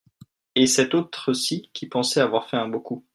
Et cet autre-ci qui pensait avoir fait un beau coup.